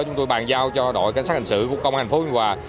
chúng tôi bàn giao cho đội cảnh sát hành sự của công an phố nhân hòa